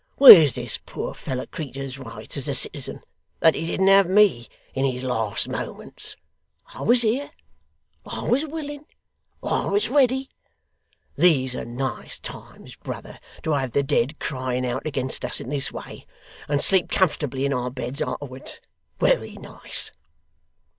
Where's this poor feller creetur's rights as a citizen, that he didn't have ME in his last moments! I was here. I was willing. I was ready. These are nice times, brother, to have the dead crying out against us in this way, and sleep comfortably in our beds arterwards; wery nice!